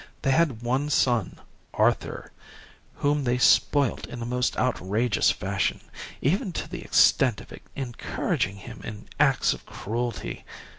They had one son, Arthur, whom they spoilt in the most outrageous fashion, even to the extent of encouraging him in acts of cruelty.